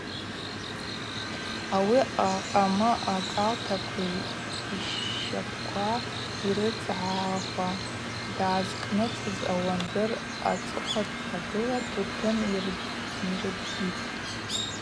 Ауи йхъамы акӏалтаква йщапӏква йрыцгӏахӏвуа дгӏазкӏныцӏыз ауандыр ацӏыхъва дтагыла, тутын йрыббитӏ.